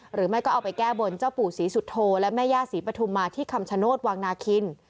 หรือมาก็เอาไปแก้บอนเจ้าปู่ศรีสุทธโตว์และแม่ญาติศรีปฐุมมาที่คำชโนธวงบ์นาฆิล